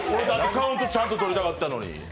カラオケちゃんと取りたかったのに。